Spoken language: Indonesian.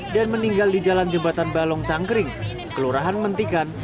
dan meninggal di jalan jembatan balong cangkering kelurahan mentikan